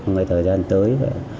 ngày thời gian tới